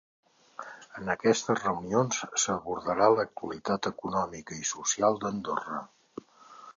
En aquestes reunions s’abordarà l’actualitat econòmica i social d’Andorra.